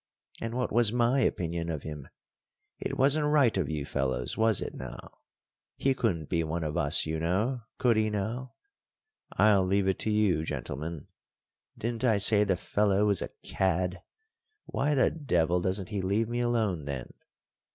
And what was my opinion of him? It wasn't right of you fellows, was it, now? He couldn't be one of us, you know, could he now? I'll leave it to you, gentlemen; didn't I say the fellow was a cad? Why the devil doesn't he leave me alone then?